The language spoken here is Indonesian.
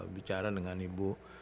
bicara dengan ibu